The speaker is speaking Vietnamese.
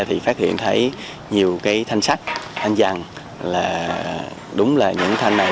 thì phát hiện thấy nhiều cái thanh sắt thanh rằng là đúng là những thanh này